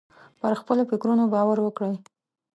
پر خپلو فکرونو باور وکړئ.